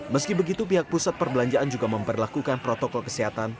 meski begitu pihak pusat perbelanjaan juga memperlakukan protokol kesehatan